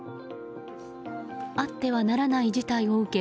あってはならない事態を受け